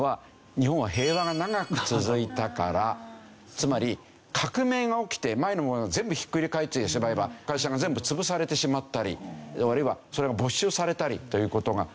つまり革命が起きて前のものが全部ひっくり返ってしまえば会社が全部潰されてしまったりあるいはそれが没収されたりという事があるわけですよね。